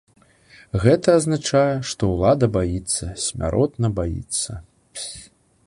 Гэта азначае, што ўлада баіцца, смяротна баіцца.